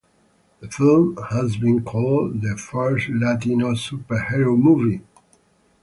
The film has been called the "first Latino superhero movie".